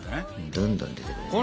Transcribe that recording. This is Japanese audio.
どんどん出てくるね。